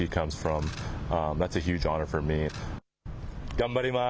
頑張ります！